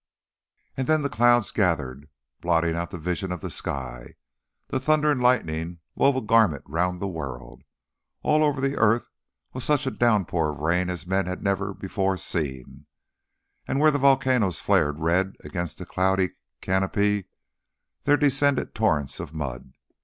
And then the clouds gathered, blotting out the vision of the sky, the thunder and lightning wove a garment round the world; all over the earth was such a downpour of rain as men had never before seen, and where the volcanoes flared red against the cloud canopy there descended torrents of mud.